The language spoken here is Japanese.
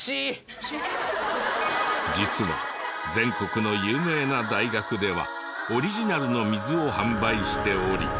実は全国の有名な大学ではオリジナルの水を販売しており。